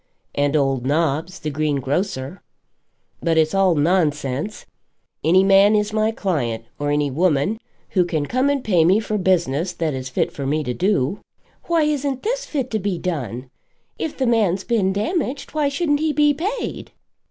"And old Nobbs, the greengrocer. But it's all nonsense. Any man is my client, or any woman, who can come and pay me for business that is fit for me to do." "Why isn't this fit to be done? If the man's been damaged, why shouldn't he be paid?"